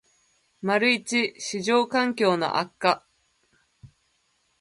① 市場環境の悪化